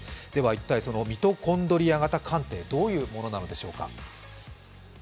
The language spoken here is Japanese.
一体ミトコンドリア型鑑定どういうものなのでしょうか？